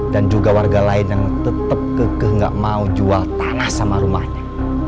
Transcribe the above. dan juga warga lain yang tetap kekeh nggak mau jual tanah sama rumahnya